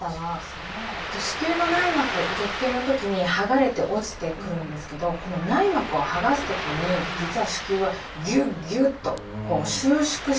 子宮の内膜月経のときにはがれて落ちてくるんですけどこの内膜をはがすときに実は子宮はギュッギュッと収縮してるんですね。